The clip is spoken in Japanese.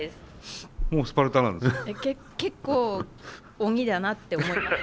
結構鬼だなって思います